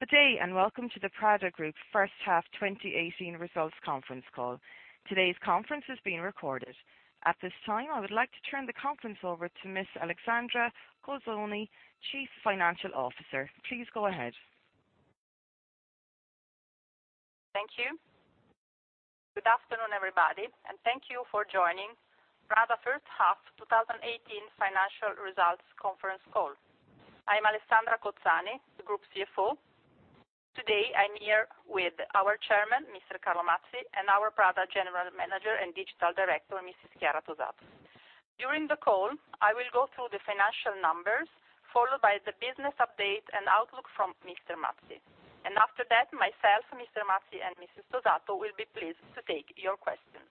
Good day, welcome to the Prada Group first half 2018 results conference call. Today's conference is being recorded. At this time, I would like to turn the conference over to Ms. Alessandra Cozzani, Chief Financial Officer. Please go ahead. Thank you. Good afternoon, everybody, thank you for joining Prada first half 2018 financial results conference call. I am Alessandra Cozzani, the Group CFO. Today, I'm here with our Chairman, Mr. Carlo Mazzi, and our Prada General Manager and Digital Director, Mrs. Chiara Tosato. During the call, I will go through the financial numbers, followed by the business update and outlook from Mr. Mazzi. After that, myself, Mr. Mazzi, and Mrs. Tosato will be pleased to take your questions.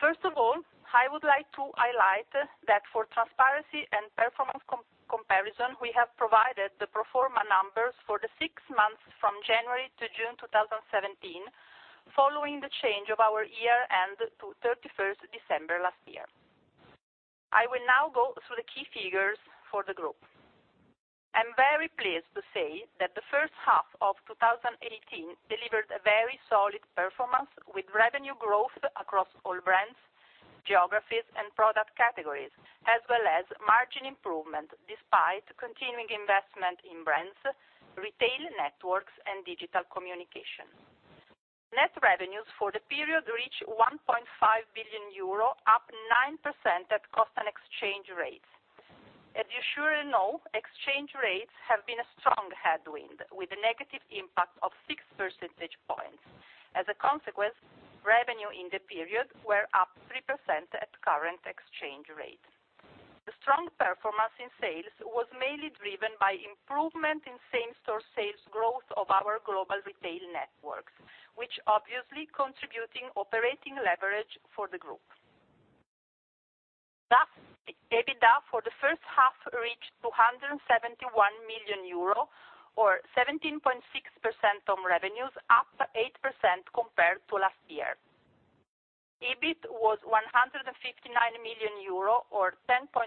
First of all, I would like to highlight that for transparency and performance comparison, we have provided the pro forma numbers for the six months from January to June 2017, following the change of our year-end to 31st December last year. I will now go through the key figures for the group. I'm very pleased to say that the first half of 2018 delivered a very solid performance, with revenue growth across all brands, geographies, and product categories, as well as margin improvement despite continuing investment in brands, retail networks, and digital communication. Net revenues for the period reach 1.5 billion euro, up 9% at constant exchange rates. As you surely know, exchange rates have been a strong headwind, with a negative impact of six percentage points. As a consequence, revenue in the period were up 3% at current exchange rate. The strong performance in sales was mainly driven by improvement in same-store sales growth of our global retail networks, which obviously contributing operating leverage for the group. Thus, the EBITDA for the first half reached 271 million euro, or 17.6% of revenues, up 8% compared to last year. EBIT was 159 million euro or 10.4%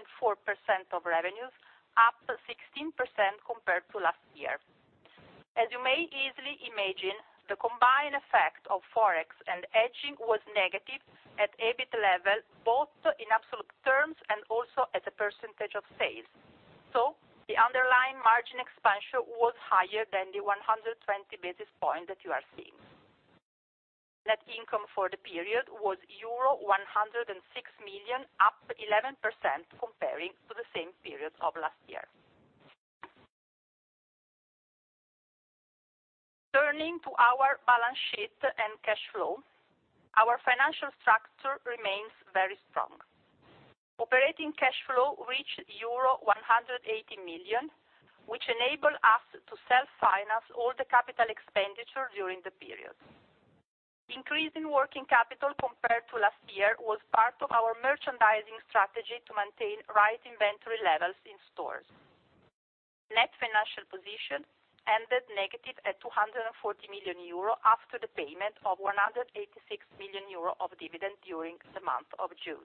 of revenues, up 16% compared to last year. As you may easily imagine, the combined effect of Forex and hedging was negative at EBIT level, both in absolute terms and also as a percentage of sales. The underlying margin expansion was higher than the 120 basis point that you are seeing. Net income for the period was euro 106 million, up 11% comparing to the same period of last year. Turning to our balance sheet and cash flow, our financial structure remains very strong. Operating cash flow reached euro 180 million, which enable us to self-finance all the capital expenditure during the period. Increase in working capital compared to last year was part of our merchandising strategy to maintain right inventory levels in stores. Net financial position ended negative at 240 million euro after the payment of 186 million euro of dividend during the month of June.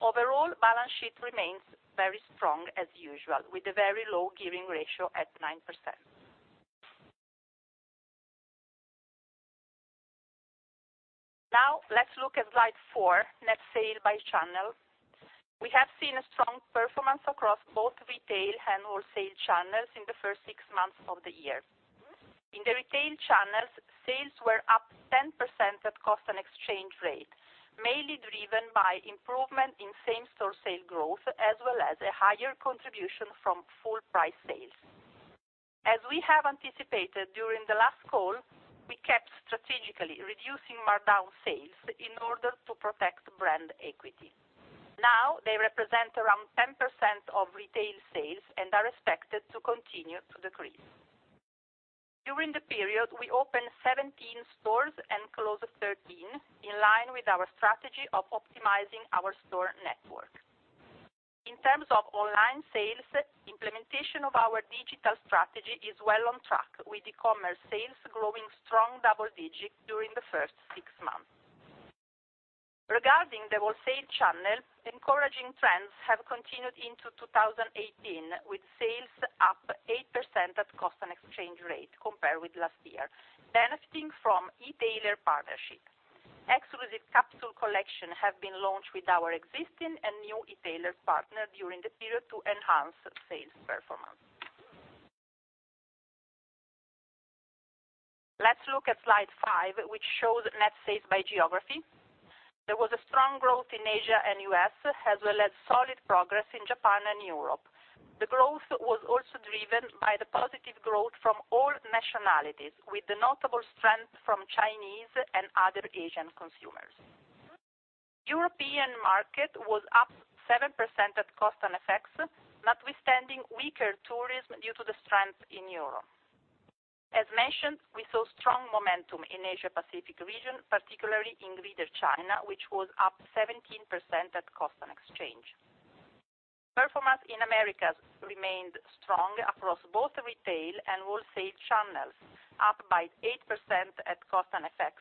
Overall, balance sheet remains very strong as usual, with a very low gearing ratio at 9%. Let's look at slide four, net sales by channel. We have seen a strong performance across both retail and wholesale channels in the first six months of the year. In the retail channels, sales were up 10% at constant exchange rate, mainly driven by improvement in same-store sales growth, as well as a higher contribution from full-price sales. As we have anticipated during the last call, we kept strategically reducing markdown sales in order to protect brand equity. They represent around 10% of retail sales and are expected to continue to decrease. During the period, we opened 17 stores and closed 13, in line with our strategy of optimizing our store network. In terms of online sales, implementation of our digital strategy is well on track, with e-commerce sales growing strong double digit during the first six months. Regarding the wholesale channel, encouraging trends have continued into 2018, with sales up 8% at constant exchange rate compared with last year, benefiting from e-tailer partnerships. Exclusive capsule collections have been launched with our existing and new e-tailer partners during the period to enhance sales performance. Let's look at slide five, which shows net sales by geography. There was a strong growth in Asia and U.S., as well as solid progress in Japan and Europe. The growth was also driven by the positive growth from all nationalities, with the notable strength from Chinese and other Asian consumers. European market was up 7% at constant FX, notwithstanding weaker tourism due to the strength in the euro. As mentioned, we saw strong momentum in Asia Pacific region, particularly in Greater China, which was up 17% at constant exchange. Performance in Americas remained strong across both retail and wholesale channels, up by 8% at constant FX,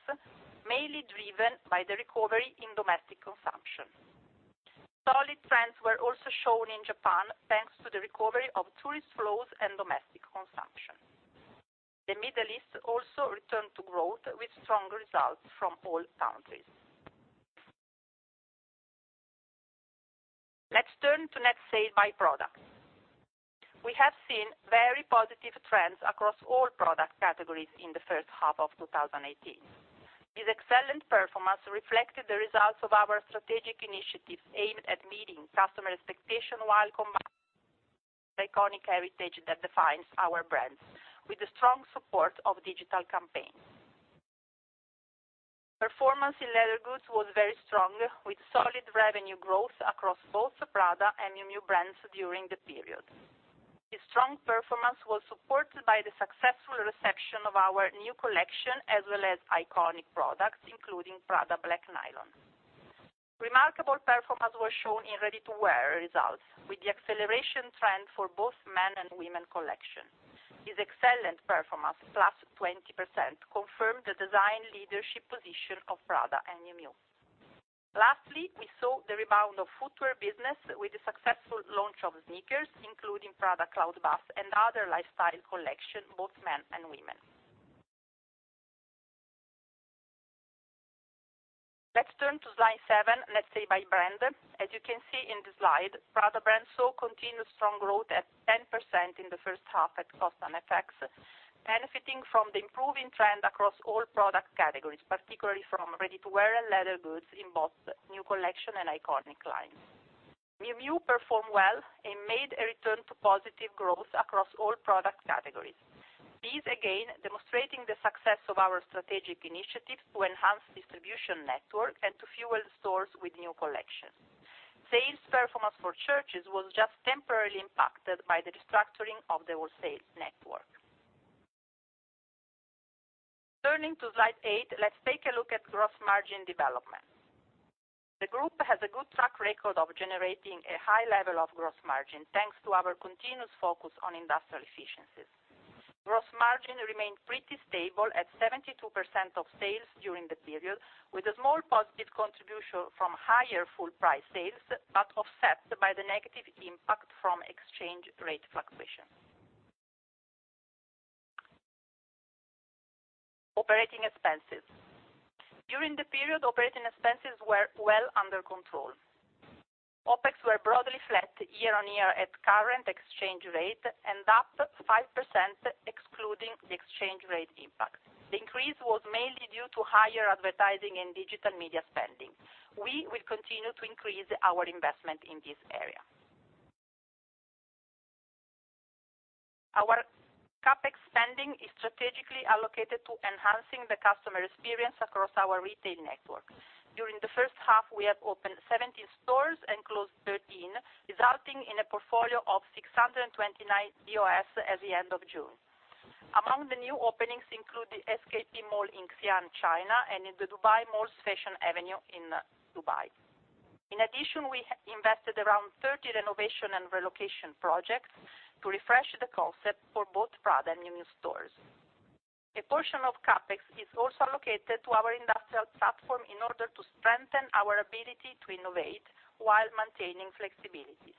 mainly driven by the recovery in domestic consumption. Solid trends were also shown in Japan, thanks to the recovery of tourist flows and domestic consumption. The Middle East also returned to growth with strong results from all countries. Let's turn to net sales by product. We have seen very positive trends across all product categories in the first half of 2018. This excellent performance reflected the results of our strategic initiatives aimed at meeting customer expectations while combining the iconic heritage that defines our brands, with the strong support of digital campaigns. Performance in leather goods was very strong, with solid revenue growth across both Prada and Miu Miu brands during the period. This strong performance was supported by the successful reception of our new collection, as well as iconic products, including Prada black nylon. Remarkable performance was shown in ready-to-wear results, with the acceleration trend for both men and women collections. This excellent performance, plus 20%, confirmed the design leadership position of Prada and Miu Miu. Lastly, we saw the rebound of footwear business with the successful launch of sneakers, including Prada Cloudbust and other lifestyle collections, both men and women. Let's turn to slide seven. Let's stay by brand. As you can see in the slide, Prada brand saw continued strong growth at 10% in the first half at constant FX, benefiting from the improving trend across all product categories, particularly from ready-to-wear and leather goods in both new collection and iconic lines. Miu Miu performed well and made a return to positive growth across all product categories. These, again, demonstrating the success of our strategic initiatives to enhance distribution network and to fuel stores with new collections. Sales performance for Church's was just temporarily impacted by the restructuring of the wholesale network. Turning to slide eight, let's take a look at gross margin development. The group has a good track record of generating a high level of gross margin, thanks to our continuous focus on industrial efficiencies. Gross margin remained pretty stable at 72% of sales during the period, with a small positive contribution from higher full price sales, but offset by the negative impact from exchange rate fluctuations. Operating expenses. During the period, operating expenses were well under control. OPEX were broadly flat year-over-year at current exchange rate and up 5% excluding the exchange rate impact. The increase was mainly due to higher advertising and digital media spending. We will continue to increase our investment in this area. Our CapEx spending is strategically allocated to enhancing the customer experience across our retail network. During the first half, we have opened 17 stores and closed 13, resulting in a portfolio of 629 DOS at the end of June. Among the new openings include the SKP mall in Xi'an, China, and in the Dubai Mall's Fashion Avenue in Dubai. In addition, we invested around 30 renovation and relocation projects to refresh the concept for both Prada and Miu Miu stores. A portion of CapEx is also allocated to our industrial platform in order to strengthen our ability to innovate while maintaining flexibility.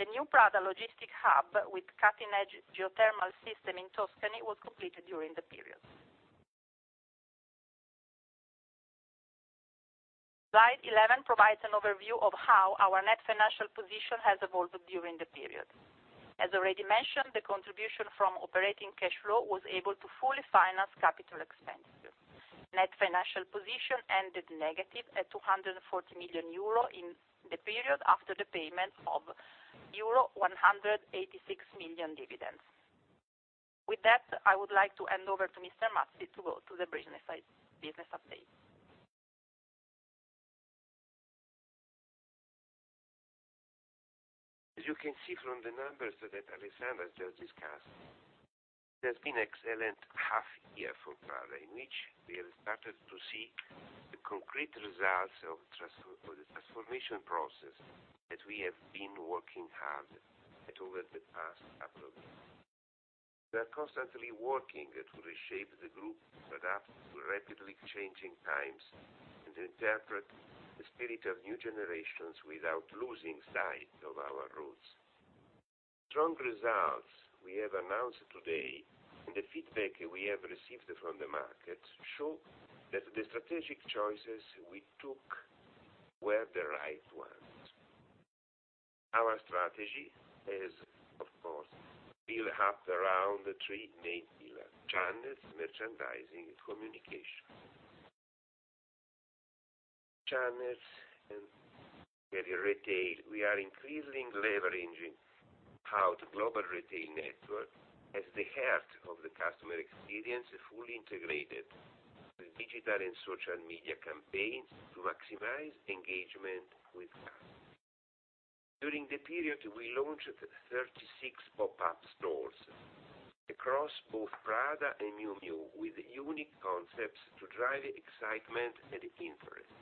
The new Prada logistic hub with cutting-edge geothermal system in Tuscany was completed during the period. Slide 11 provides an overview of how our net financial position has evolved during the period. As already mentioned, the contribution from operating cash flow was able to fully finance capital expenditure. Net financial position ended negative at 240 million euro in the period after the payment of euro 186 million dividends. With that, I would like to hand over to Mr. Mazzi to go through the business update. As you can see from the numbers that Alessandra just discussed, there's been excellent half year for Prada, in which we have started to see the concrete results of the transformation process that we have been working hard at over the past couple of years. We are constantly working to reshape the group to adapt to rapidly changing times and interpret the spirit of new generations without losing sight of our roots. Strong results we have announced today and the feedback we have received from the market show that the strategic choices we took were the right ones. Our strategy is, of course, built up around the three main pillars, channels, merchandising, and communication. Channels and retail. We are increasingly leveraging how the global retail network at the heart of the customer experience is fully integrated with digital and social media campaigns to maximize engagement with customers. During the period, we launched 36 pop-up stores across both Prada and Miu Miu with unique concepts to drive excitement and interest.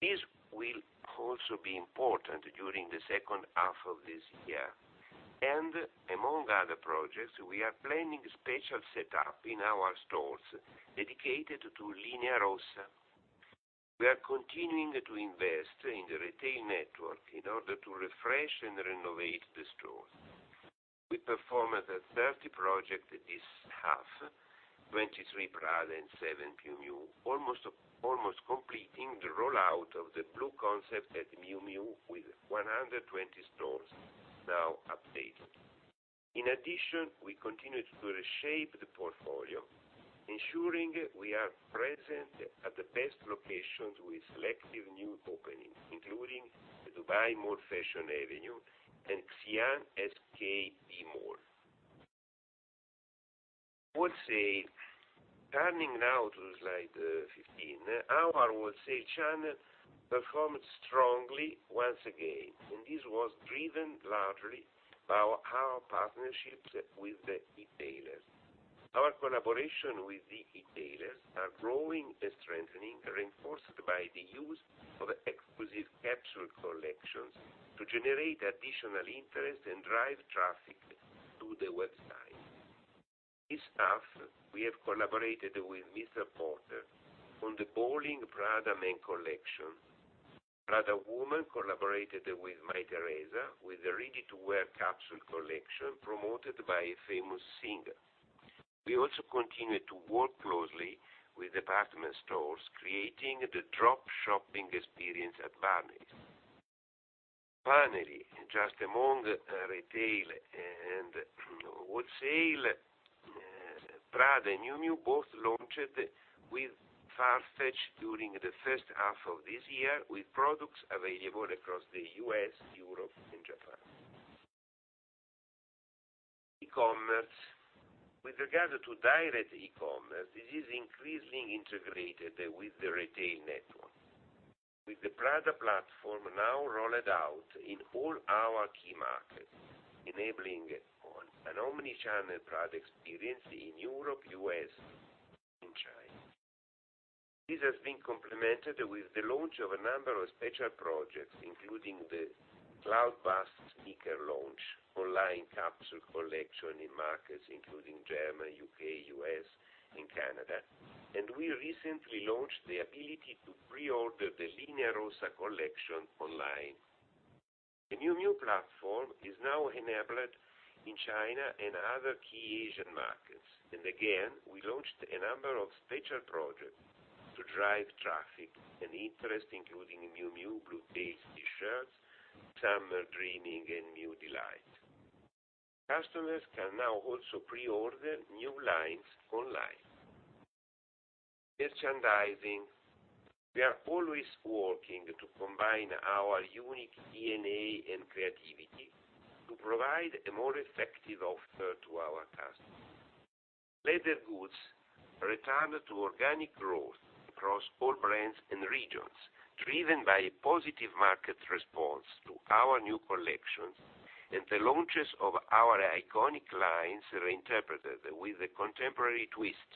This will also be important during the second half of this year. Among other projects, we are planning special setup in our stores dedicated to Linea Rossa. We are continuing to invest in the retail network in order to refresh and renovate the stores. We performed 30 project this half, 23 Prada and seven Miu Miu, almost completing the rollout of the blue concept at Miu Miu with 120 stores now updated. In addition, we continue to reshape the portfolio, ensuring we are present at the best locations with selective new openings, including the Dubai Mall Fashion Avenue and Xian SKP Mall. Wholesale. Turning now to slide 15. Our wholesale channel performed strongly once again, this was driven largely by our partnerships with the e-tailers. Our collaboration with the e-tailers are growing and strengthening, reinforced by the use of exclusive capsule collections to generate additional interest and drive traffic to the website. This half, we have collaborated with Mr Porter on the bowling Prada Men collection. Prada Women collaborated with Mytheresa with the ready-to-wear capsule collection promoted by a famous singer. We also continue to work closely with department stores, creating The Drop shopping experience at Barneys. Finally, just among retail and wholesale, Prada and Miu Miu both launched with Farfetch during the first half of this year with products available across the U.S., Europe, and Japan. E-commerce. With regard to direct e-commerce, it is increasingly integrated with the retail network. With the Prada platform now rolled out in all our key markets, enabling an omnichannel product experience in Europe, U.S., and China. This has been complemented with the launch of a number of special projects, including the Cloudbust sneaker launch, online capsule collection in markets including Germany, U.K., U.S., and Canada. We recently launched the ability to pre-order the Linea Rossa collection online. The Miu Miu platform is now enabled in China and other key Asian markets. Again, we launched a number of special projects to drive traffic and interest, including Miu Miu blue taste T-shirts, summer dreaming, and new delight. Customers can now also pre-order new lines online. Merchandising. We are always working to combine our unique DNA and creativity to provide a more effective offer to our customers. Leather goods returned to organic growth across all brands and regions, driven by a positive market response to our new collections and the launches of our iconic lines reinterpreted with a contemporary twist.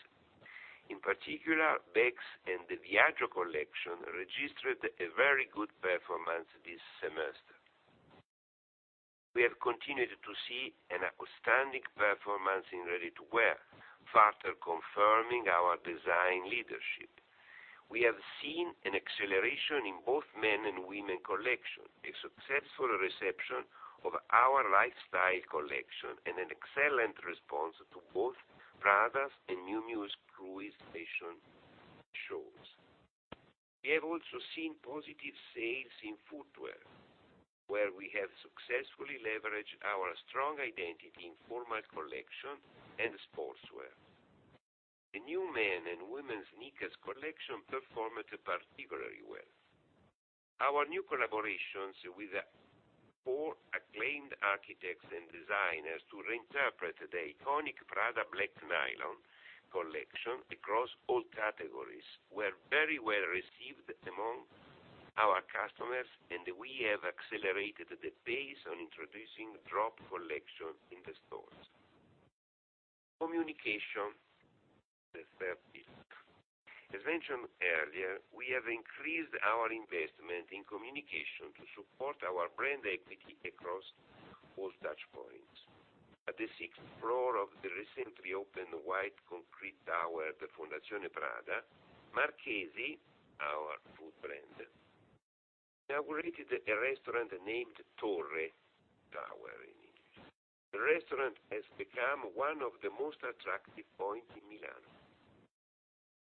In particular, bags and the Viaggio collection registered a very good performance this semester. We have continued to see an outstanding performance in ready-to-wear, further confirming our design leadership. We have seen an acceleration in both men and women collection, a successful reception of our lifestyle collection, and an excellent response to both Prada's and Miu Miu's cruise fashion shows. We have also seen positive sales in footwear, where we have successfully leveraged our strong identity in formal collection and sportswear. The new men and women's sneakers collection performed particularly well. Our new collaborations with four acclaimed architects and designers to reinterpret the iconic Prada black nylon collection across all categories were very well received among our customers. We have accelerated the pace on introducing drop collection in the stores. Communication, the third pillar. As mentioned earlier, we have increased our investment in communication to support our brand equity across all touch points. At the sixth floor of the recently opened white concrete tower, the Fondazione Prada, Marchesi, our food brand, inaugurated a restaurant named Torre, tower in English. The restaurant has become one of the most attractive points in Milan.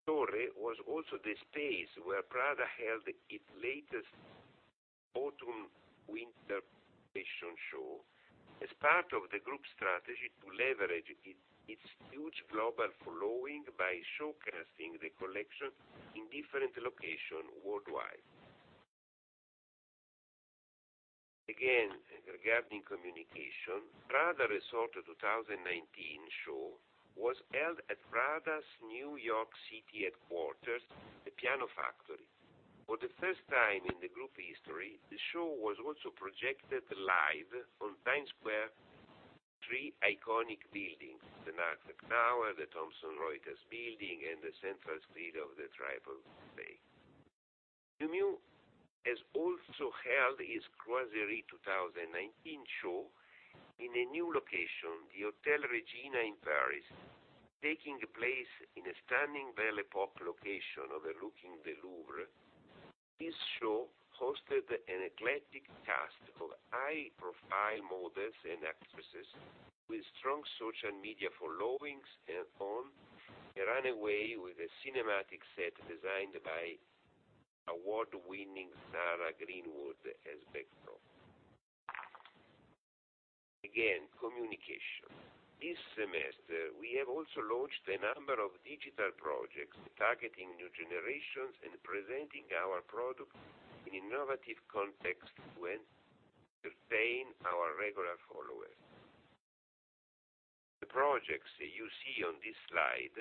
Torre was also the space where Prada held its latest autumn/winter fashion show as part of the group strategy to leverage its huge global following by showcasing the collection in different locations worldwide. Again, regarding communication, Prada Resort 2019 show was held at Prada's New York City headquarters, the Piano Factory. For the first time in the group history, the show was also projected live on Times Square, three iconic buildings, the Nasdaq Tower, the Thomson Reuters building, and the central street of the. [inaudible] Miu Miu has also held its Croisière 2019 show in a new location, the Hotel Regina in Paris, taking place in a stunning Belle Époque location overlooking the Louvre. This show hosted an eclectic cast of high-profile models and actresses with strong social media followings and on, ran away with a cinematic set designed by award-winning Sarah Greenwood as backdrop. Again, communication. This semester, we have also launched a number of digital projects targeting new generations and presenting our product in innovative contexts to entertain our regular followers. The projects you see on this slide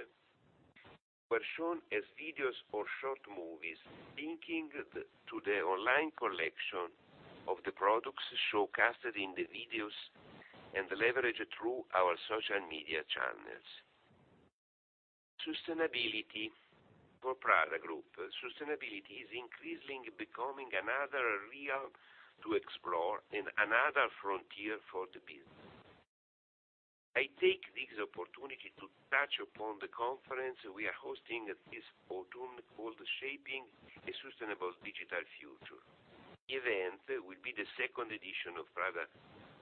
were shown as videos or short movies linking to the online collection of the products showcased in the videos and leveraged through our social media channels. Sustainability for Prada Group. Sustainability is increasingly becoming another realm to explore and another frontier for the business. I take this opportunity to touch upon the conference we are hosting this autumn, called Shaping a Sustainable Digital Future. The event will be the second edition of Prada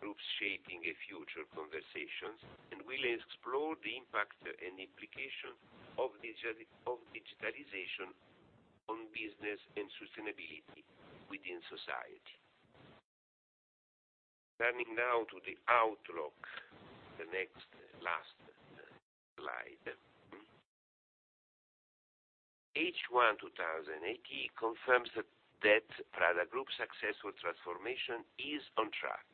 Group's Shaping a Future Conversations and will explore the impact and implication of digitalization on business and sustainability within society. Turning now to the outlook, the next last slide. H1 2018 confirms that Prada Group successful transformation is on track,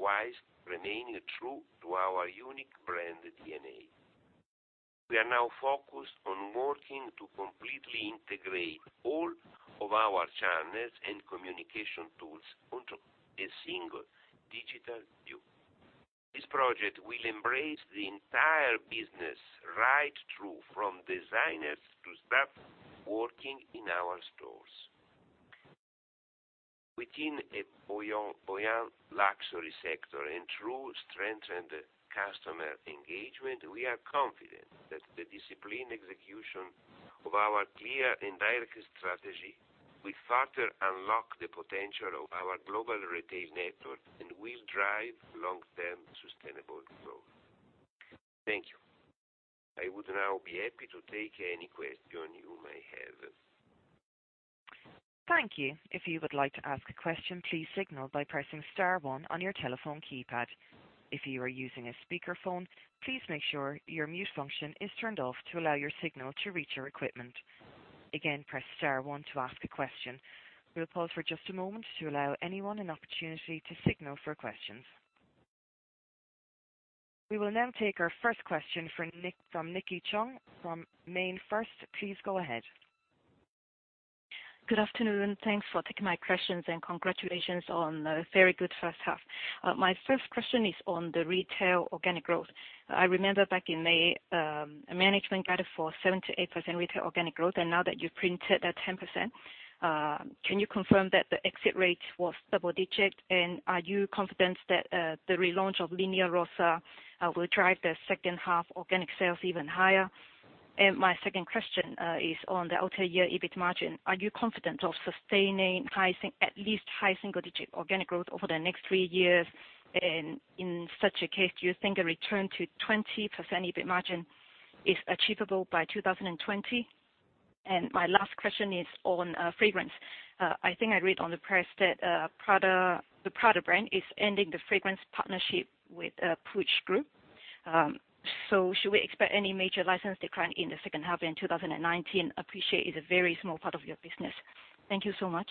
whilst remaining true to our unique brand DNA. We are now focused on working to completely integrate all of our channels and communication tools onto a single digital view. This project will embrace the entire business right through from designers to staff working in our stores. Within a buoyant luxury sector and through strengthened customer engagement, we are confident that the disciplined execution of our clear and direct strategy will further unlock the potential of our global retail network and will drive long-term sustainable growth. Thank you. I would now be happy to take any question you may have. Thank you. If you would like to ask a question, please signal by pressing star one on your telephone keypad. If you are using a speakerphone, please make sure your mute function is turned off to allow your signal to reach our equipment. Again, press star one to ask a question. We'll pause for just a moment to allow anyone an opportunity to signal for questions. We will now take our first question from Nicky Cheung from MainFirst. Please go ahead. Good afternoon and thanks for taking my questions and congratulations on a very good first half. My first question is on the retail organic growth. I remember back in May, management guided for 7%-8% retail organic growth. Now that you've printed at 10%, can you confirm that the exit rate was double-digit? Are you confident that the relaunch of Linea Rossa will drive the second half organic sales even higher? My second question is on the outer year EBIT margin. Are you confident of sustaining at least high single-digit organic growth over the next 3 years? In such a case, do you think a return to 20% EBIT margin is achievable by 2020? My last question is on fragrance. I think I read in the press that the Prada brand is ending the fragrance partnership with Puig Group. Should we expect any major license decline in the second half in 2019? I appreciate it's a very small part of your business. Thank you so much.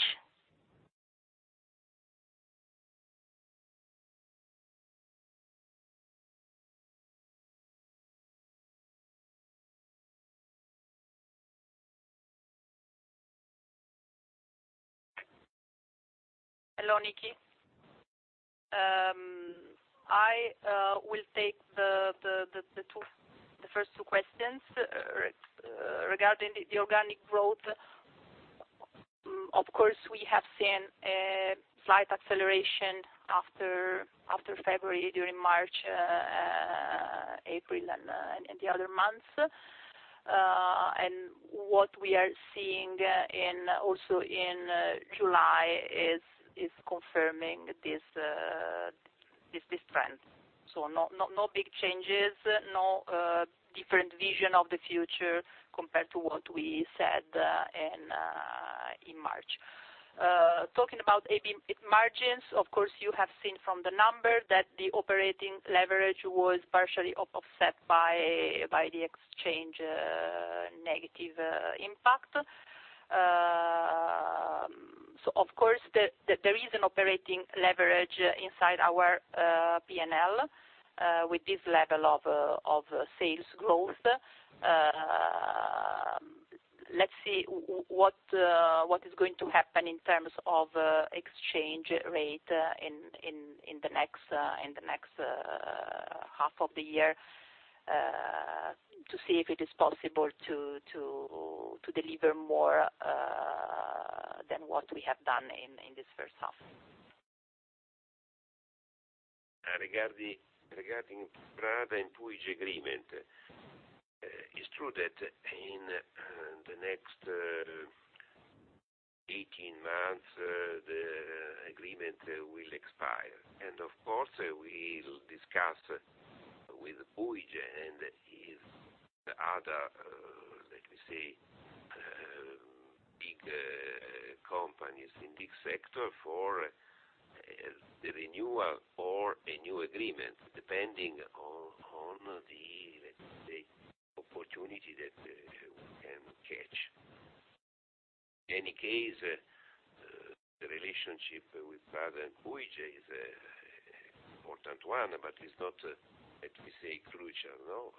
Hello, Nikki. I will take the first two questions regarding the organic growth. Of course, we have seen a slight acceleration after February, during March, April, and the other months. What we are seeing also in July is confirming this trend. No big changes, no different vision of the future compared to what we said in March. Talking about EBIT margins, of course, you have seen from the numbers that the operating leverage was partially offset by the exchange negative impact. Of course, there is an operating leverage inside our P&L with this level of sales growth. Let's see what is going to happen in terms of exchange rate in the next half of the year, to see if it is possible to deliver more than what we have done in this first half. Regarding Prada and Puig agreement, it's true that in the next 18 months, the agreement will expire. Of course, we'll discuss with Puig and his other, let me say, big companies in this sector for the renewal or a new agreement, depending on the, let's say, opportunity that we can catch. In any case, the relationship with Prada and Puig is an important one, but it's not, let me say, crucial. No.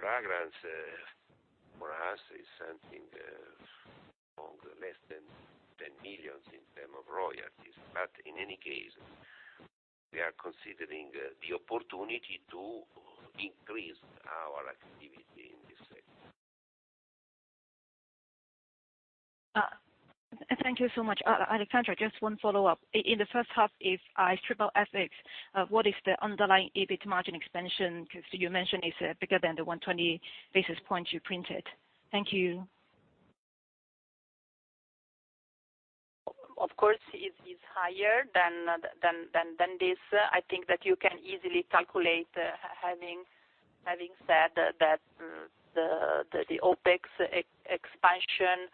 Fragrance for us is something of less than 10 million in term of royalties. In any case, we are considering the opportunity to increase our activity in this segment. Thank you so much, Alessandra. Just one follow-up. In the first half, if I strip out FX, what is the underlying EBIT margin expansion? You mentioned it's bigger than the 120 basis points you printed. Thank you. Of course, it is higher than this. I think that you can easily calculate, having said that the OPEX expansion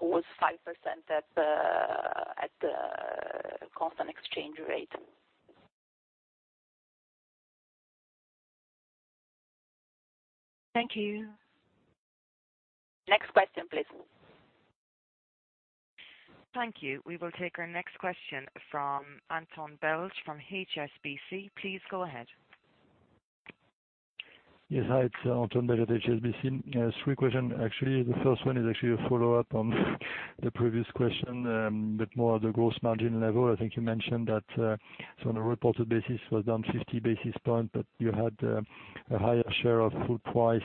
was 5% at the constant exchange rate. Thank you. Next question, please. Thank you. We will take our next question from Antoine Belge from HSBC. Please go ahead. Yes. Hi, it's Antoine Belge at HSBC. Three question, actually. The first one is actually a follow-up on the previous question, but more at the gross margin level. I think you mentioned that, so on a reported basis, was down 50 basis point, but you had a higher share of full price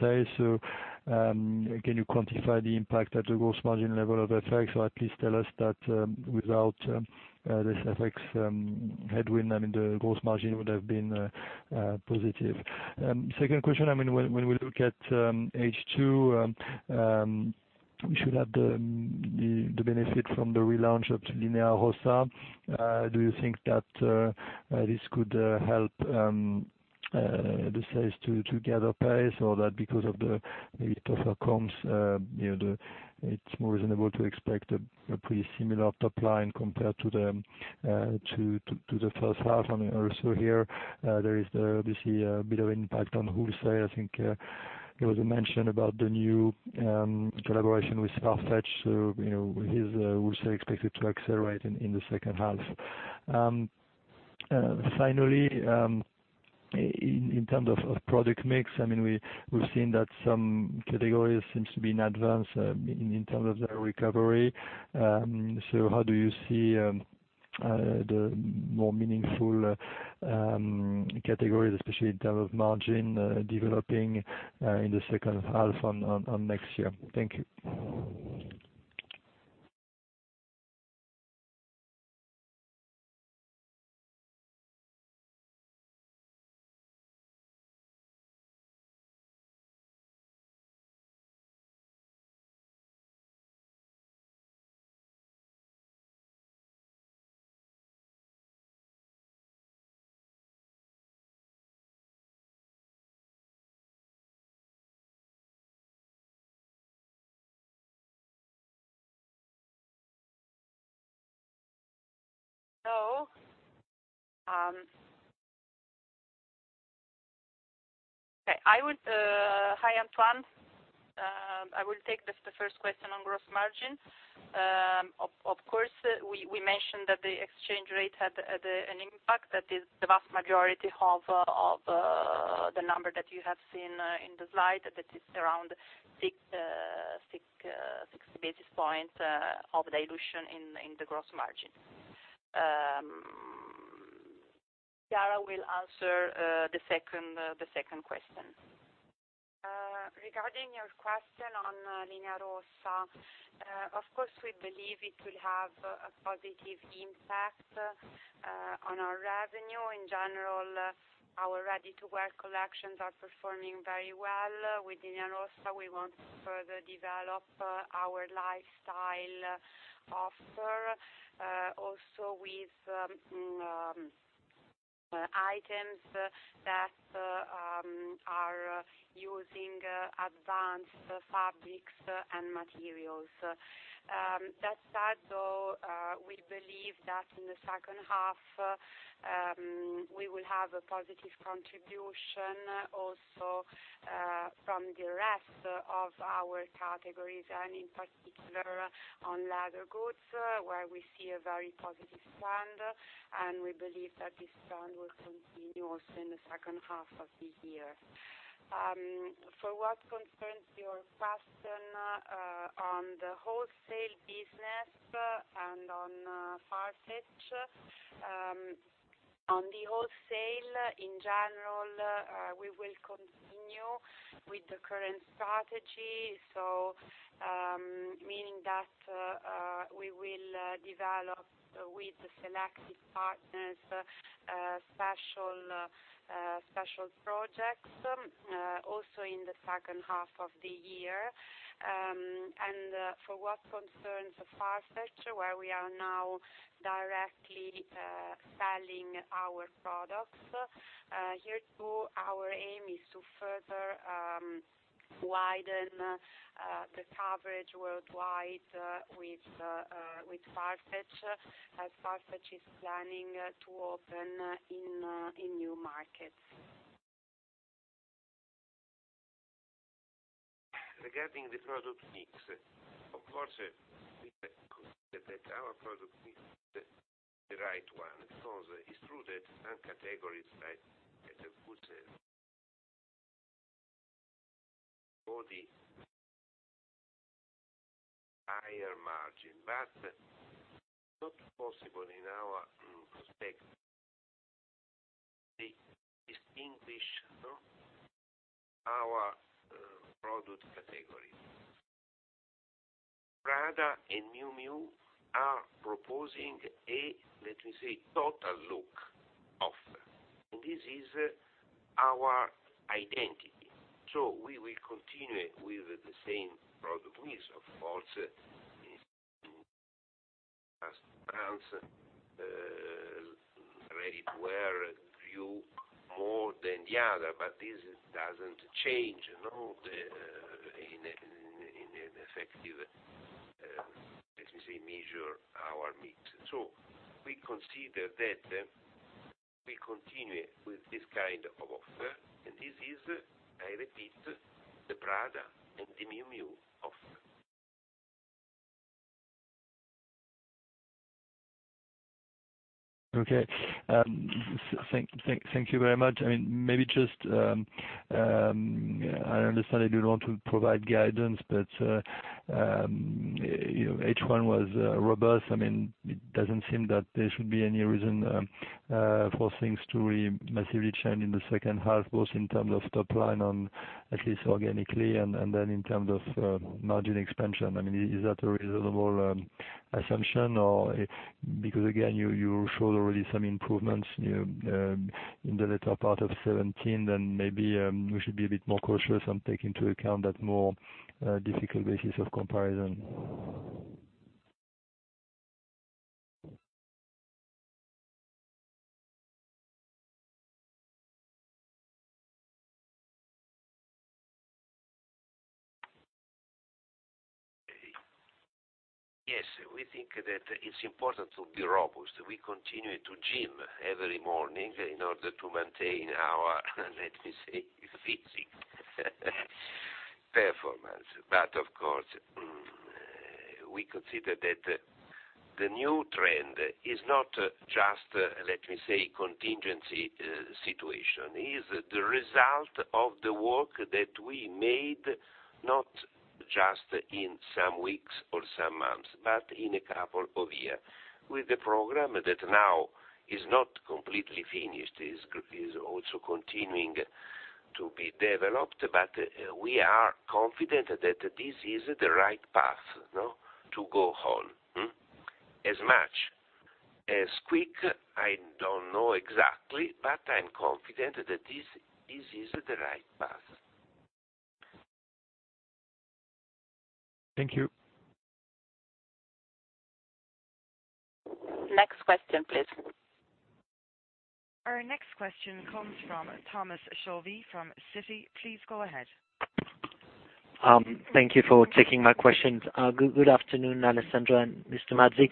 sale. Can you quantify the impact at the gross margin level of FX, or at least tell us that, without this FX headwind, the gross margin would have been positive. Second question, when we look at H2, we should have the benefit from the relaunch of Linea Rossa. Do you think that this could help the sales to gather pace or that because of the maybe tougher comps, it's more reasonable to expect a pretty similar top line compared to the first half? Also here, there is obviously a bit of impact on wholesale. I think there was a mention about the new collaboration with Farfetch. Is the wholesale expected to accelerate in the second half? Finally, in terms of product mix, we've seen that some categories seems to be in advance in terms of their recovery. How do you see the more meaningful categories, especially in terms of margin, developing in the second half on next year? Thank you. Hi, Antoine. I will take the first question on gross margin. Of course, we mentioned that the exchange rate had an impact. That is the vast majority of the number that you have seen in the slide. That is around six basis points of dilution in the gross margin. Chiara will answer the second question. Regarding your question on Linea Rossa, of course, we believe it will have a positive impact on our revenue. In general, our ready-to-wear collections are performing very well. With Linea Rossa, we want to further develop our lifestyle offer. Also with items that are using advanced fabrics and materials. That said, though, we believe that in the second half, we will have a positive contribution also from the rest of our categories and, in particular, on leather goods, where we see a very positive trend, and we believe that this trend will continue also in the second half of the year. For what concerns your question on the wholesale business and on Farfetch. On the wholesale in general, we will continue with the current strategy. Meaning that we will develop with selected partners, special projects, also in the second half of the year. For what concerns Farfetch, where we are now directly selling our products, here, too, our aim is to further widen the coverage worldwide with Farfetch, as Farfetch is planning to open in new markets. Regarding the product mix, of course, we consider that our product mix is the right one because it's true that some categories like leather goods bear higher margin, but not possible in our perspective. They distinguish our product category. Prada and Miu Miu are proposing a, let me say, total look offer. This is our identity. We will continue with the same product mix. Of course, ready-to-wear yield more than the other, but this doesn't change in an effective, let me say, measure our mix. We consider that we continue with this kind of offer, and this is, I repeat, the Prada and the Miu Miu offer. Okay. Thank you very much. I understand that you don't want to provide guidance. H1 was robust. It doesn't seem that there should be any reason for things to really massively change in the second half, both in terms of top line and at least organically, in terms of margin expansion. Is that a reasonable assumption? Again, you showed already some improvements in the later part of 2017, then maybe we should be a bit more cautious and take into account that more difficult basis of comparison. Yes. We think that it's important to be robust. We continue to gym every morning in order to maintain our, let me say, physical performance. Of course, we consider that the new trend is not just a, let me say, contingency situation. It is the result of the work that we made, not just in some weeks or some months, but in a couple of years. With the program that now is not completely finished, is also continuing to be developed. We are confident that this is the right path to go on. As much, as quick, I don't know exactly, but I'm confident that this is the right path. Thank you. Next question, please. Our next question comes from Thomas Chauvet from Citi. Please go ahead. Thank you for taking my questions. Good afternoon, Alessandra and Mr. Mazzi.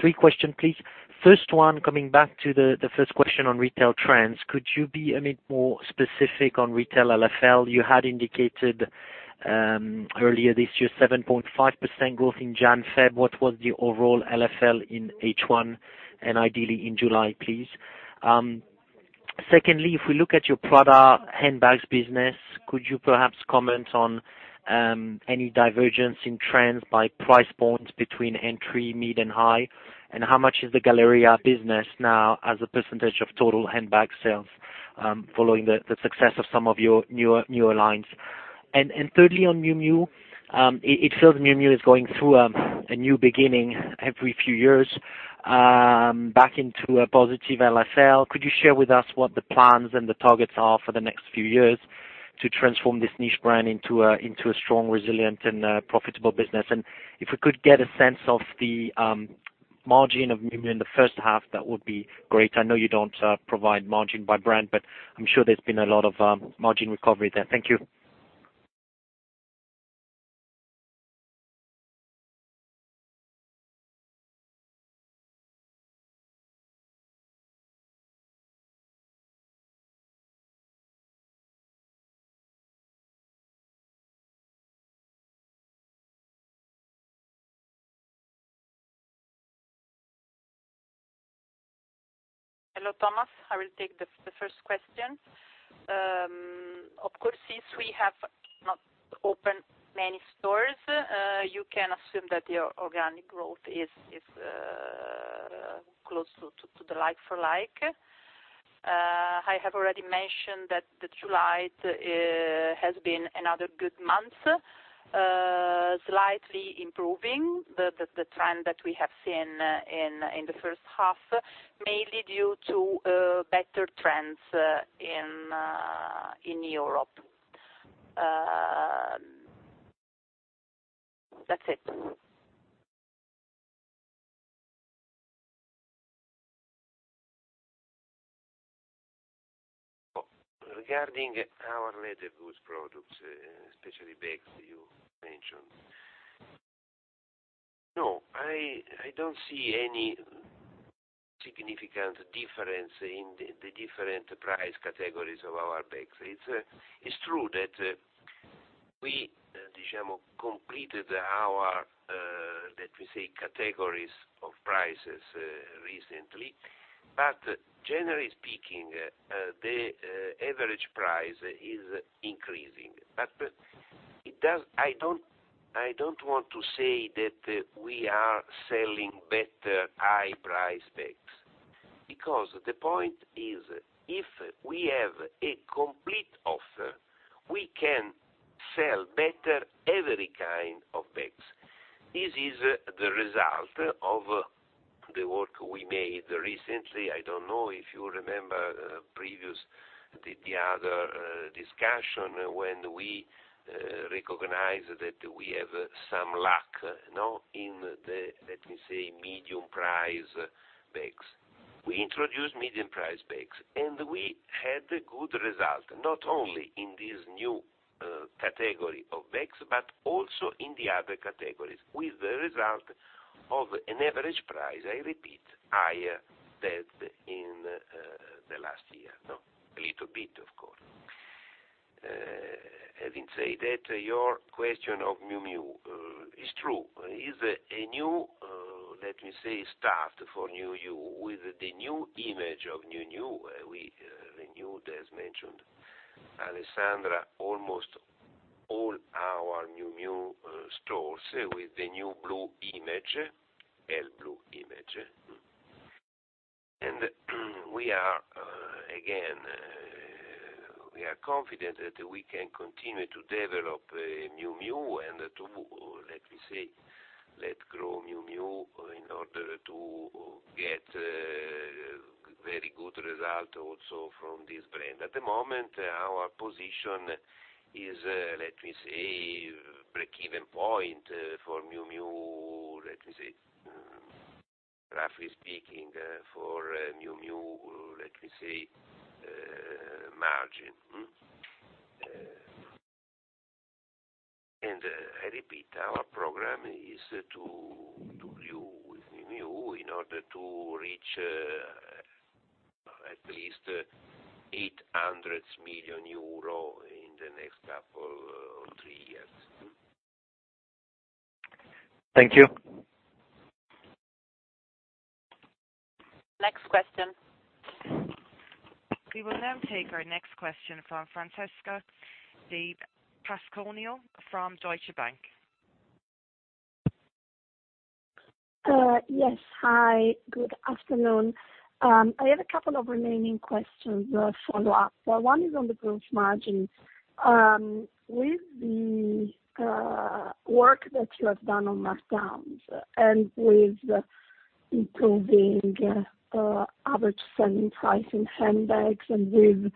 Three question, please. First one, coming back to the first question on retail trends. Could you be a bit more specific on retail LFL? You had indicated earlier this year 7.5% growth in Jan, Feb. What was the overall LFL in H1 and ideally in July, please? Secondly, if we look at your Prada handbags business, could you perhaps comment on any divergence in trends by price points between entry, mid, and high, and how much is the Galleria business now as a % of total handbag sales following the success of some of your newer lines? Thirdly on Miu Miu, it feels Miu Miu is going through a new beginning every few years, back into a positive LFL. Could you share with us what the plans and the targets are for the next few years? To transform this niche brand into a strong, resilient, and profitable business. If we could get a sense of the margin of Miu Miu in the first half, that would be great. I know you don't provide margin by brand, but I'm sure there's been a lot of margin recovery there. Thank you. Hello, Thomas. I will take the first question. Of course, since we have not opened many stores, you can assume that the organic growth is close to the like-for-like. I have already mentioned that July has been another good month, slightly improving the trend that we have seen in the first half, mainly due to better trends in Europe. That's it. Regarding our leather goods products, especially bags, you mentioned. I don't see any significant difference in the different price categories of our bags. It's true that we completed our, let me say, categories of prices recently. Generally speaking, the average price is increasing. I don't want to say that we are selling better high price bags, because the point is, if we have a complete offer, we can sell better every kind of bags. This is the result of the work we made recently. I don't know if you remember the other discussion, when we recognized that we have some lack in the, let me say, medium price bags. We introduced medium price bags, and we had good result, not only in this new category of bags, but also in the other categories, with the result of an average price, I repeat, higher than in the last year. A little bit, of course. It is a new, let me say, start for Miu Miu with the new image of Miu Miu. We renewed, as mentioned, Alessandra, almost all our Miu Miu stores with the new blue image. We are confident that we can continue to develop Miu Miu and to, let me say, let grow Miu Miu in order to get very good result also from this brand. At the moment, our position is, let me say, break-even point for Miu Miu, let me say, roughly speaking, for Miu Miu margin. I repeat, our program is to grow with Miu Miu in order to reach at least 800 million euro in the next couple or three years. Thank you. Next question. We will now take our next question from Francesca Di Pasquantonio from Deutsche Bank. Yes. Hi, good afternoon. I have a couple of remaining questions, follow-ups. One is on the gross margin. With the work that you have done on markdowns and with improving average selling price in handbags and with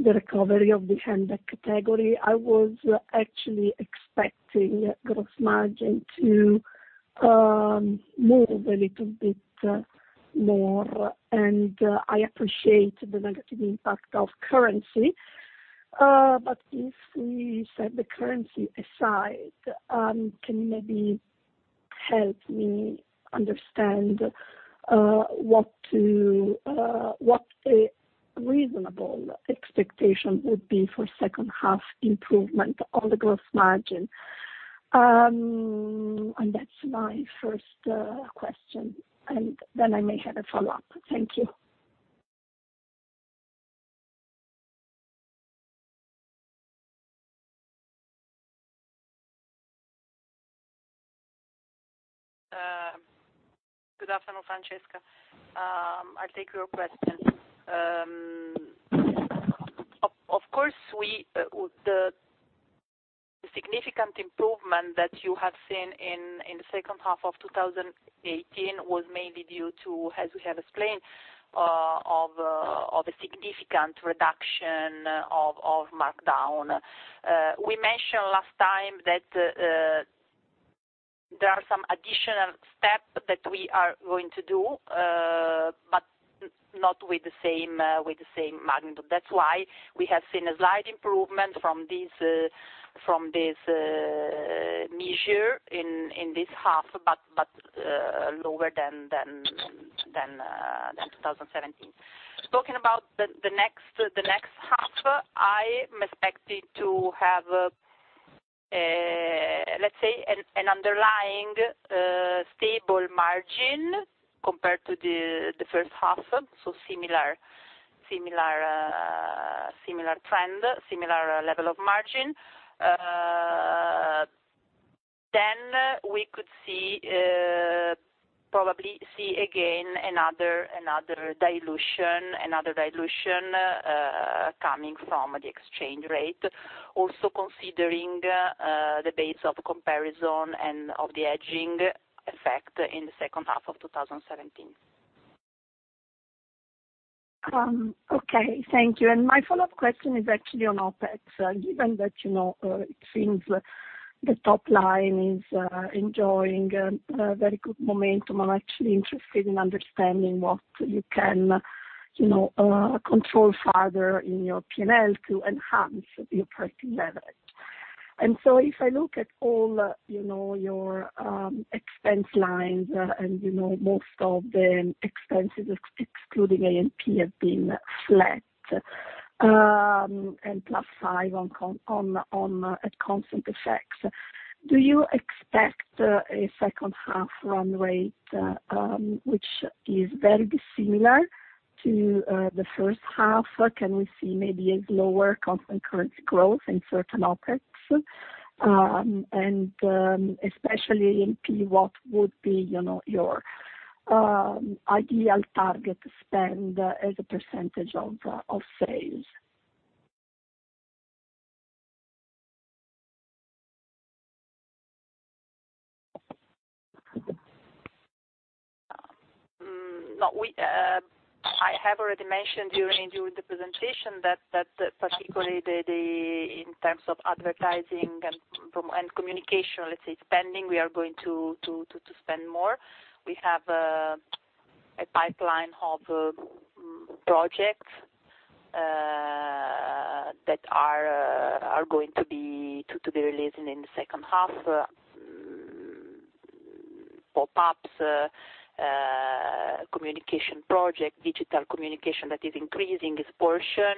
the recovery of the handbag category, I was actually expecting gross margin to move a little bit more, and I appreciate the negative impact of currency. If we set the currency aside, can you maybe help me understand what a reasonable expectation would be for second half improvement on the gross margin? That's my first question. I may have a follow-up. Thank you. Good afternoon, Francesca. I'll take your question. Of course, the significant improvement that you have seen in the second half of 2018 was mainly due to, as we have explained, of a significant reduction of markdown. We mentioned last time that there are some additional steps that we are going to do, but not with the same magnitude. That's why we have seen a slight improvement from this measure in this half, but lower than 2017. Talking about the next half, I'm expecting to have, let's say, an underlying stable margin compared to the first half, so similar trend, similar level of margin. We could probably see again another dilution coming from the exchange rate. Also considering the base of comparison and of the hedging effect in the second half of 2017. Okay, thank you. My follow-up question is actually on OpEx. Given that it seems the top line is enjoying a very good momentum, I'm actually interested in understanding what you can control further in your P&L to enhance the operating leverage. If I look at all your expense lines, most of the expenses, excluding A&P, have been flat, plus 5 at constant FX. Do you expect a second half run rate which is very similar to the first half? Can we see maybe a lower constant currency growth in certain OpEx? Especially in P, what would be your ideal target spend as a percentage of sales? I have already mentioned during the presentation that particularly in terms of advertising and communication, let's say, spending, we are going to spend more. We have a pipeline of projects that are going to be released in the second half. Pop-ups, communication project, digital communication, that is increasing its portion,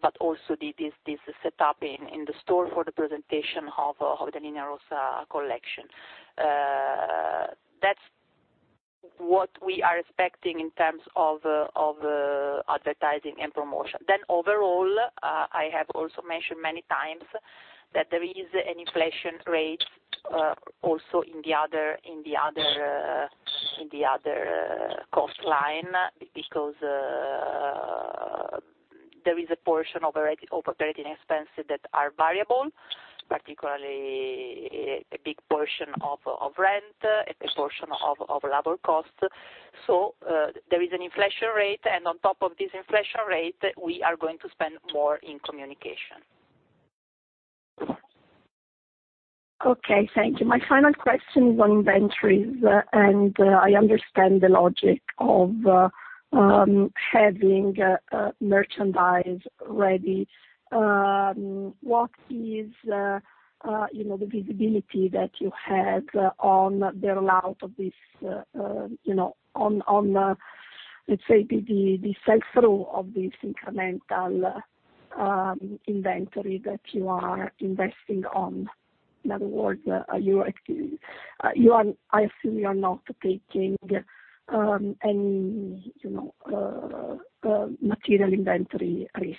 but also this set up in the store for the presentation of the new collection. That's what we are expecting in terms of advertising and promotion. Overall, I have also mentioned many times that there is an inflation rate, also in the other cost line, because there is a portion of operating expenses that are variable, particularly a big portion of rent, a portion of labor cost. There is an inflation rate, and on top of this inflation rate, we are going to spend more in communication. Okay, thank you. My final question is on inventories, and I understand the logic of having merchandise ready. What is the visibility that you have on the rollout of this, let's say, the sell-through of this incremental inventory that you are investing on? In other words, I assume you are not taking any material inventory risk.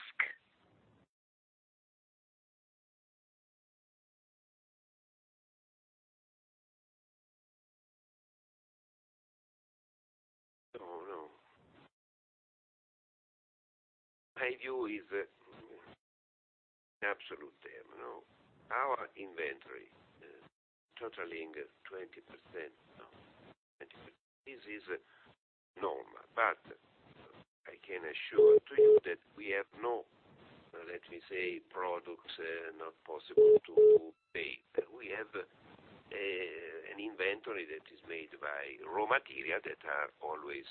No. My view is, in absolute term, our inventory totaling 20%, this is normal. I can assure to you that we have no, let me say, products not possible to pay. We have an inventory that is made by raw material that are always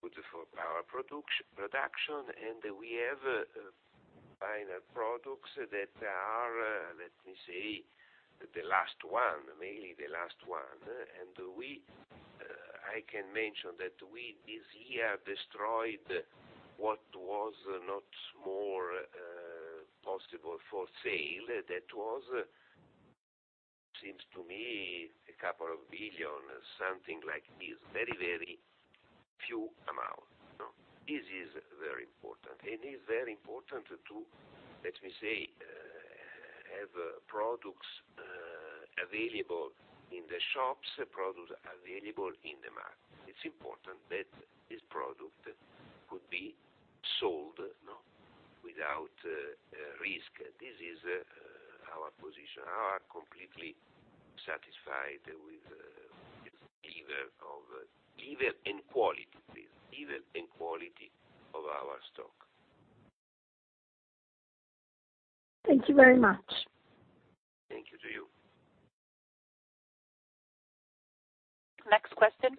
good for our production, and we have final products that are, let me say, the last one, mainly the last one. I can mention that we, this year, destroyed what was not more possible for sale. That was, seems to me, a couple of billion, something like this. Very, very few amount. This is very important. It's very important to, let me say- Have products available in the shops, products available in the market. It's important that this product could be sold without risk. This is our position. We are completely satisfied with the level in quality of our stock. Thank you very much. Thank you to you. Next question.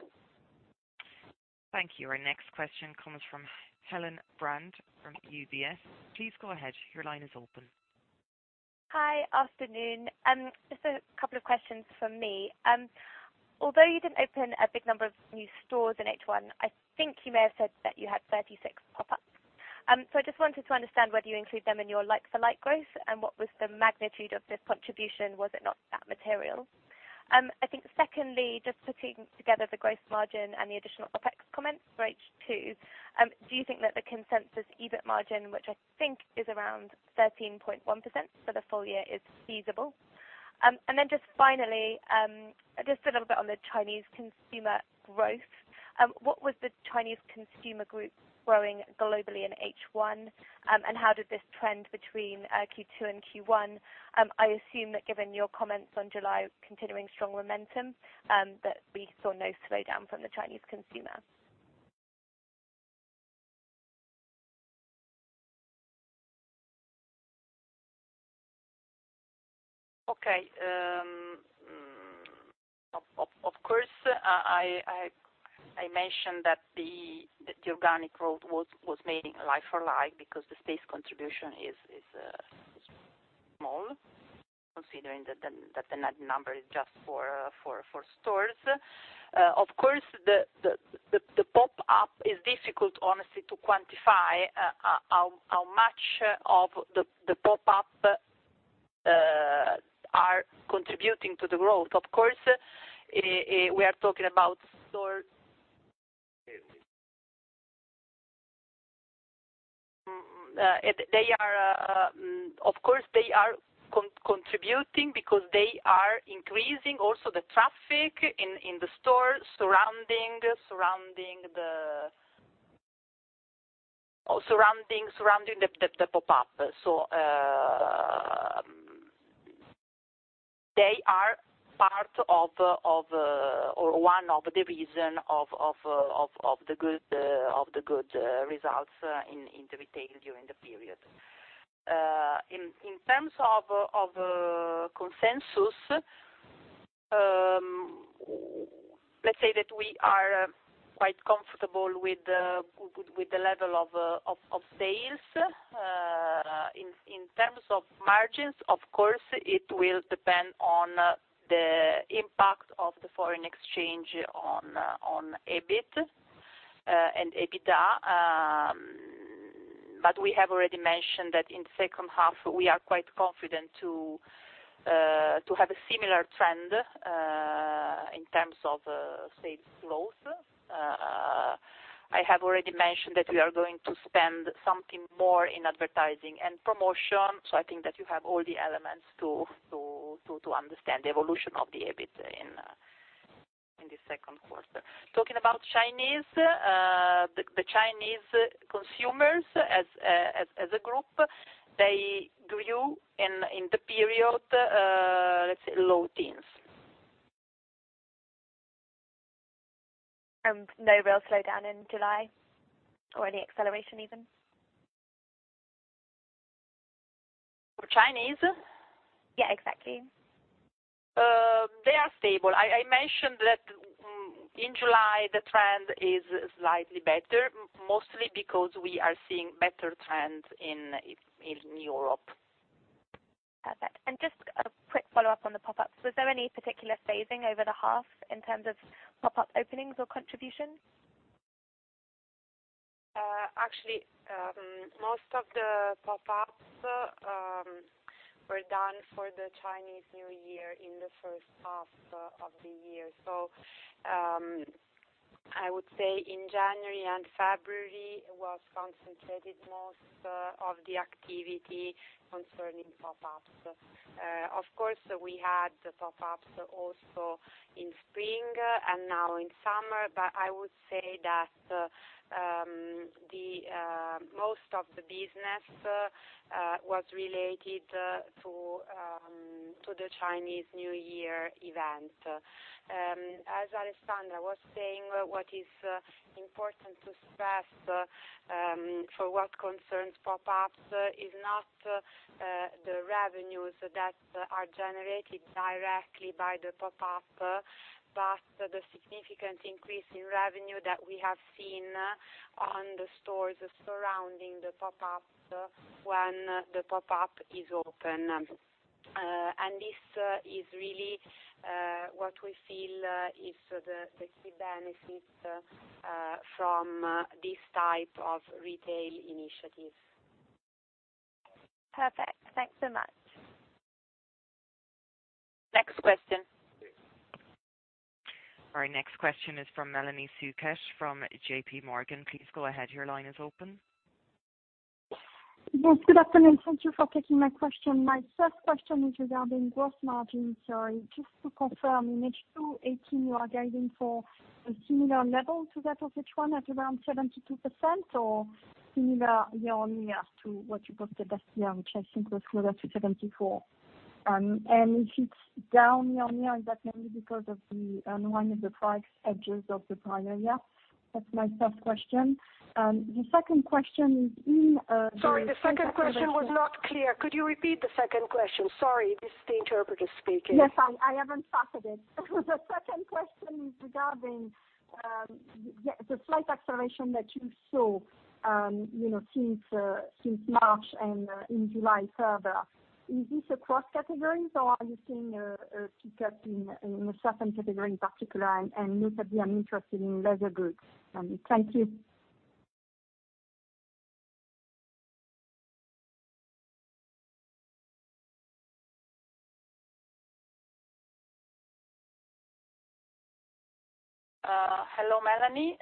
Thank you. Our next question comes from Helen Brand from UBS. Please go ahead. Your line is open. Hi. Afternoon. Just a couple of questions from me. Although you didn't open a big number of new stores in H1, I think you may have said that you had 36 pop-ups. I just wanted to understand whether you include them in your like-for-like growth, and what was the magnitude of this contribution? Was it not that material? I think secondly, just putting together the growth margin and the additional OPEX comments for H2, do you think that the consensus EBIT margin, which I think is around 13.1% for the full year, is feasible? Just finally, just a little bit on the Chinese consumer growth. What was the Chinese consumer group growing globally in H1, and how did this trend between Q2 and Q1? I assume that given your comments on July continuing strong momentum, that we saw no slowdown from the Chinese consumer. Okay. Of course, I mentioned that the organic growth was mainly like-for-like because the space contribution is small, considering that the net number is just for stores. Of course, the pop-up is difficult, honestly, to quantify how much of the pop-up are contributing to the growth. Of course, they are contributing because they are increasing also the traffic in the store surrounding the pop-up. They are one of the reason of the good results in the retail during the period. In terms of consensus, let's say that we are quite comfortable with the level of sales. In terms of margins, of course, it will depend on the impact of the foreign exchange on EBIT and EBITDA. We have already mentioned that in second half, we are quite confident to have a similar trend in terms of sales growth. I have already mentioned that we are going to spend something more in advertising and promotion. I think that you have all the elements to understand the evolution of the EBIT in the second quarter. Talking about Chinese, the Chinese consumers as a group, they grew in the period, let's say, low teens. No real slowdown in July? Any acceleration, even? For Chinese? Yeah, exactly. They are stable. I mentioned that in July, the trend is slightly better, mostly because we are seeing better trends in Europe. Perfect. Just a quick follow-up on the pop-ups. Was there any particular phasing over the half in terms of pop-up openings or contributions? Most of the pop-ups were done for the Chinese New Year in the first half of the year. I would say in January and February was concentrated most of the activity concerning pop-ups. Of course, we had the pop-ups also in spring and now in summer, but I would say that most of the business was related to the Chinese New Year event. As Alessandra was saying, what is important to stress, for what concerns pop-ups, is not the revenues that are generated directly by the pop-up, but the significant increase in revenue that we have seen on the stores surrounding the pop-ups when the pop-up is open. This is really what we feel is the key benefit from this type of retail initiative. Perfect. Thanks so much. Next question. Our next question is from Melanie Flouquet from JPMorgan. Please go ahead. Your line is open. Good afternoon. Thank you for taking my question. My first question is regarding gross margin. Just to confirm, in H2 2018, you are guiding for a similar level to that of H1 at around 72%, or similar year-over-year to what you got the best year, which I think was closer to 74%. If it's down year-over-year, is that mainly because of the unwind of the price hedges of the prior year? That's my first question. Sorry, the second question was not clear. Could you repeat the second question? Sorry, this is the interpreter speaking. Yes, I haven't started it. The second question is regarding the slight acceleration that you saw since March and in July further. Is this across categories, or are you seeing a pickup in a certain category in particular, and notably I'm interested in leather goods. Thank you. Hello, Melania.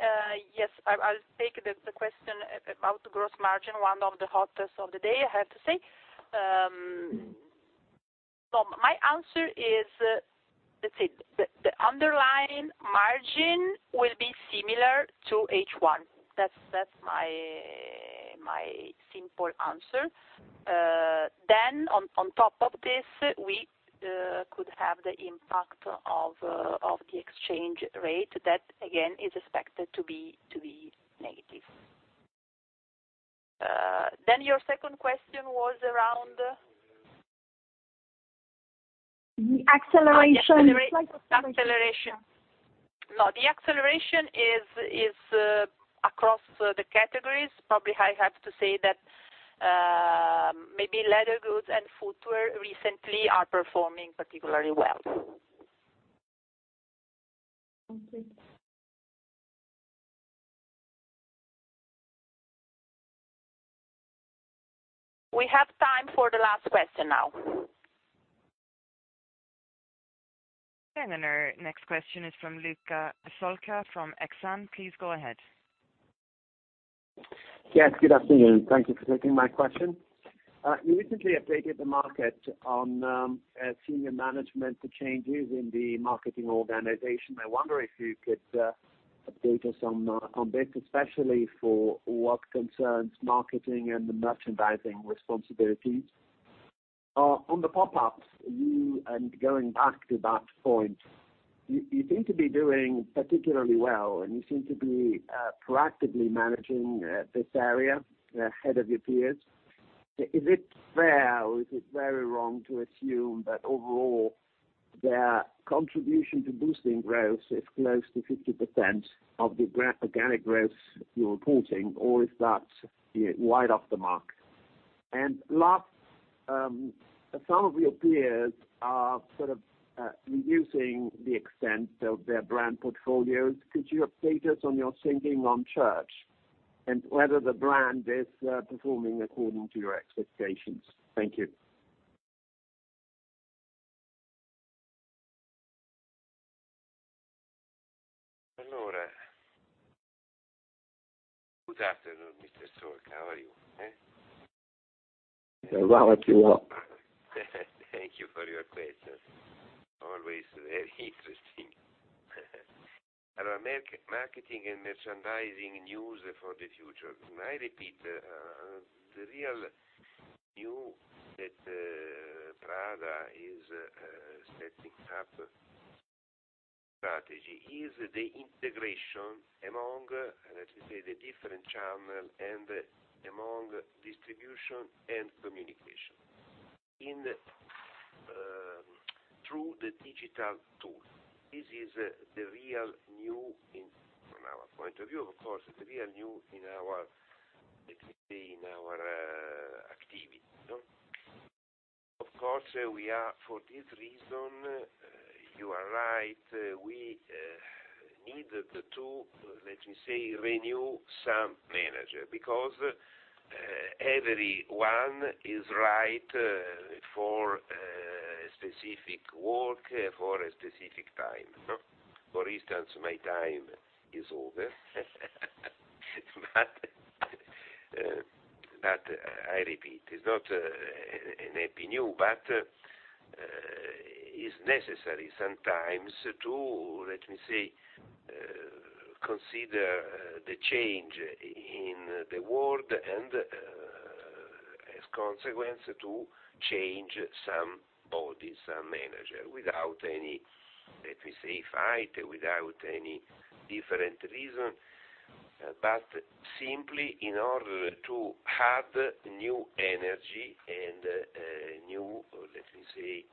Yes, I'll take the question about gross margin, one of the hottest of the day, I have to say. My answer is that the underlying margin will be similar to H1. That's my simple answer. On top of this, we could have the impact of the exchange rate. That, again, is expected to be negative. Your second question was around The acceleration. Acceleration. No, the acceleration is across the categories. Probably, I have to say that maybe leather goods and footwear recently are performing particularly well. Thank you. We have time for the last question now. Our next question is from Luca Solca from Exane. Please go ahead. Yes, good afternoon. Thank you for taking my question. You recently updated the market on senior management changes in the marketing organization. I wonder if you could update us on this, especially for what concerns marketing and the merchandising responsibilities. On the pop-ups, and going back to that point, you seem to be doing particularly well, and you seem to be proactively managing this area ahead of your peers. Is it fair, or is it very wrong to assume that overall, their contribution to boosting growth is close to 50% of the organic growth you're reporting, or is that wide off the mark? Last, some of your peers are sort of reducing the extent of their brand portfolios. Could you update us on your thinking on Church and whether the brand is performing according to your expectations? Thank you. Good afternoon, Mr. Solca. How are you? Well, thank you. Thank you for your questions. Always very interesting. Marketing and merchandising news for the future. May I repeat, the real new that Prada is setting up strategy is the integration among, let me say, the different channel and among distribution and communication through the digital tool. This is the real new, from our point of view, of course, the real new in our activity. For this reason, you are right, we needed to, let me say, renew some manager because everyone is right for a specific work, for a specific time. For instance, my time is over. I repeat, it's not an happy new, but it's necessary sometimes to, let me say, consider the change in the world and, as consequence, to change some bodies, some manager, without any, let me say, fight, without any different reason, but simply in order to add new energy and new, let me say,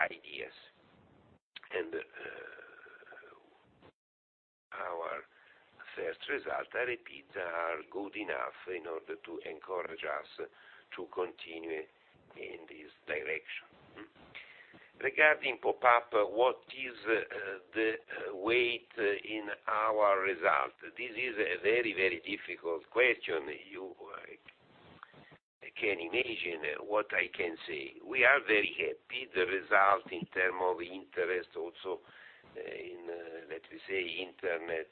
ideas. Our first result, I repeat, are good enough in order to encourage us to continue in this direction. Regarding pop-up, what is the weight in our result? This is a very, very difficult question you I can imagine what I can say. We are very happy. The result in term of interest also in, let me say, internet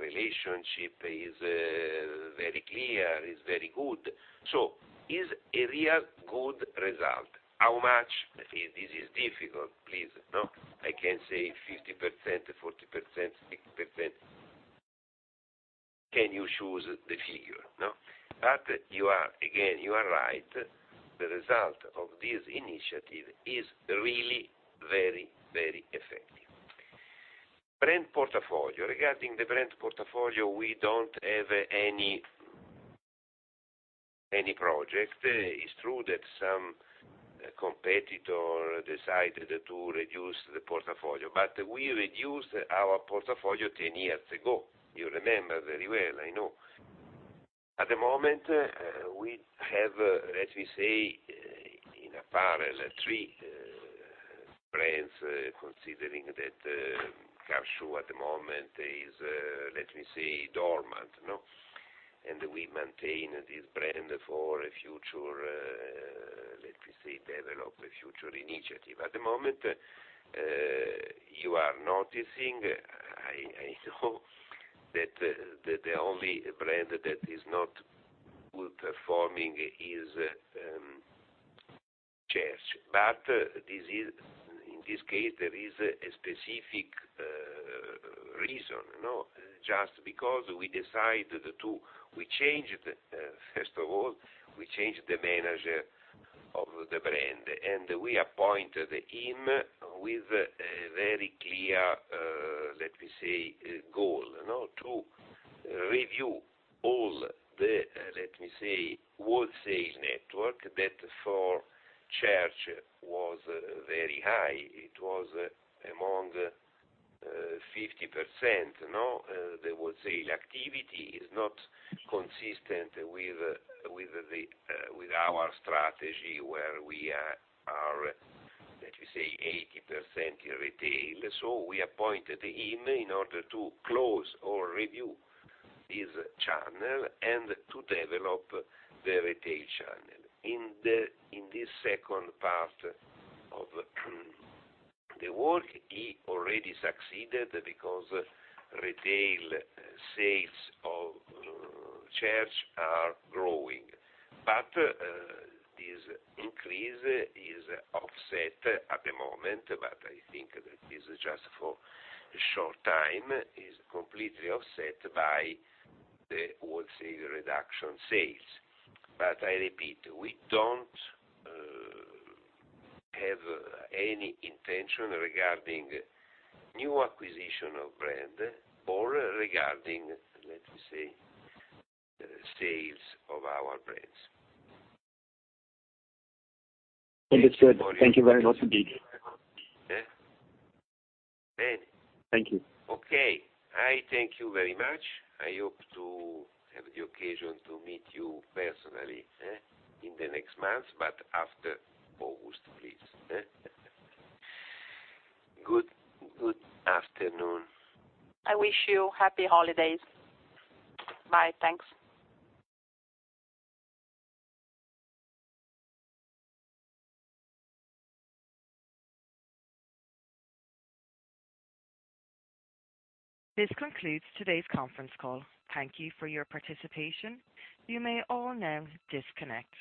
relationship is very clear, is very good. Is a real good result. How much? This is difficult. Please, no, I can't say 50%, 40%, 60%. Can you choose the figure? No. Again, you are right. The result of this initiative is really very effective. Brand portfolio. Regarding the brand portfolio, we don't have any project. It's true that some competitor decided to reduce the portfolio, but we reduced our portfolio 10 years ago. You remember very well, I know. At the moment, we have, let me say, in parallel, three brands, considering that Car Shoe at the moment is, let me say, dormant. We maintain this brand for, let me say, develop a future initiative. At the moment, you are noticing, I know that the only brand that is not good performing is Church's. In this case, there is a specific reason. Just because we decided to, first of all, we changed the manager of the brand, and we appointed him with a very clear, let me say, goal. To review all the, let me say, wholesale network that for Church's was very high. It was among 50%. The wholesale activity is not consistent with our strategy, where we are, let me say, 80% in retail. We appointed him in order to close or review this channel and to develop the retail channel. In this second part of the work, he already succeeded because retail sales of Church's are growing. This increase is offset at the moment, but I think that is just for a short time, is completely offset by the wholesale reduction sales. I repeat, we don't have any intention regarding new acquisition of brand or regarding, let me say, sales of our brands. Understood. Thank you very much indeed. Okay. Thank you. Okay. I thank you very much. I hope to have the occasion to meet you personally in the next months, but after August, please. Good afternoon. I wish you happy holidays. Bye. Thanks. This concludes today's conference call. Thank you for your participation. You may all now disconnect.